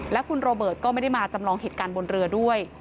และคุณโรเบิร์ตก็ไม่ได้มาจำลองเหตุการณ์บนเรือด้วย